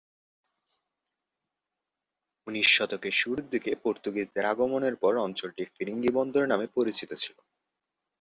উনিশ শতকের শুরুর দিকে পর্তুগিজদের আগমনের পর অঞ্চলটি 'ফিরিঙ্গি বন্দর' নামে পরিচিত ছিল।